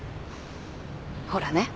ほらね。